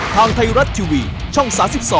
ทางไทยรัฐทีวีช่อง๓๒